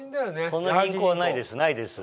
そんな銀行はないですないです。